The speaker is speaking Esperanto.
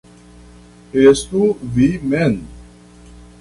Estu vi mem.